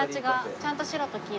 ちゃんと白と黄色だ。